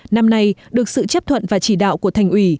năm nay được sự chấp thuận và chỉ đạo của thành ủy